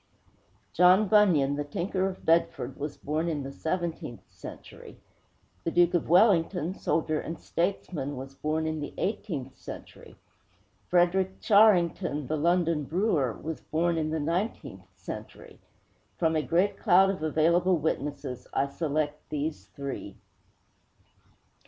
John Bunyan, the tinker of Bedford, was born in the seventeenth century; the Duke of Wellington, soldier and statesman, was born in the eighteenth century; Frederick Charrington, the London brewer, was born in the nineteenth century. From a great cloud of available witnesses I select these three.